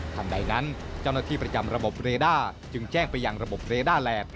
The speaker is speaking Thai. ใดนั้นเจ้าหน้าที่ประจำระบบเรด้าจึงแจ้งไปยังระบบเรด้าแหลก